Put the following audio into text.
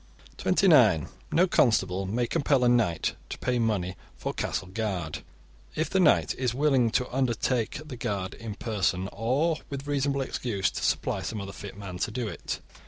(29) No constable may compel a knight to pay money for castle guard if the knight is willing to undertake the guard in person, or with reasonable excuse to supply some other fit man to do it.